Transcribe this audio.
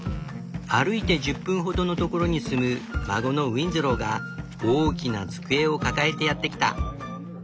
歩いて１０分ほどの所に住む孫のウィンズローが大きな机を抱えてやって来た。